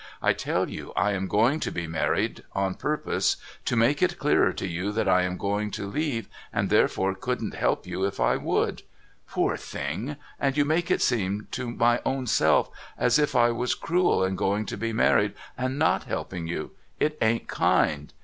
I tell you I am going to be married, on purpose to make it clearer to you that I am going to leave, and therefore couldn't help you if I would, Poor Thing, and you make it seem to my own self as if I was cruel in going to be married and tiot helping you. It ain't kind.